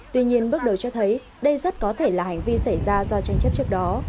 tuy nhiên bước đầu cho thấy đây rất có thể là hành vi xảy ra do tranh chấp trước đó